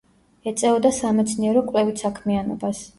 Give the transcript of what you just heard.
ეწეოდა სამეცნიერო კვლევით საქმიანობას.